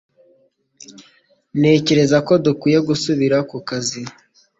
Ntekereza ko dukwiye gusubira ku kazi